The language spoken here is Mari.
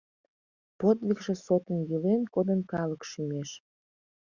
Подвигше сотын йӱлен кодын калык шӱмеш.